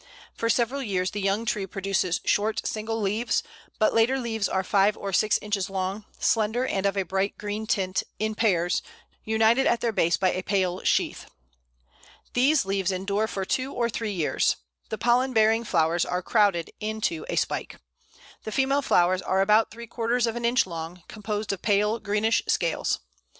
For several years the young tree produces short single leaves, but later leaves are five or six inches long, slender, and of a bright green tint, in pairs, united at their base by a pale sheath. These leaves endure for two or three years. The pollen bearing flowers are crowded into a spike. The female flowers are about three quarters of an inch long, composed of pale greenish scales.